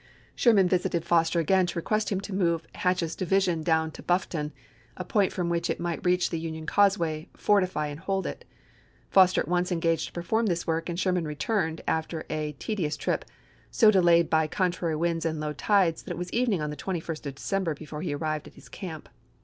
Sherman visited Foster again to request him to move Hatch's division down to Bluffton, a point from which it might reach the Union cause way, fortify, and hold it. Foster at once engaged to perform this work, and Sherman returned, after a tedious trip, so delayed by contrary winds and low tides that it was evening on the 21st of 1864. December before he arrived at his camp.